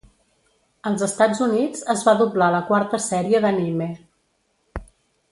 Als Estats Units es va doblar la quarta sèrie d'anime.